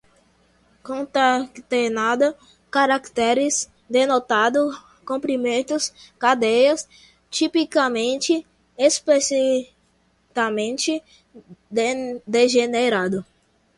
concatenada, caracteres, denotado, comprimentos, cadeias, tipicamente, explicitamente, degenerado